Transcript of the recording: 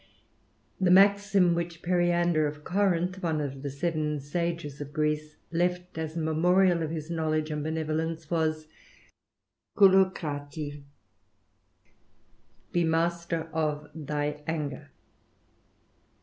T^HE maxim which Periander of Corinth, one of the "^ seven sages of Greece, left as a memorial of his knowledge and benevolence, was }^\% Kgarct, Be master of thy anger.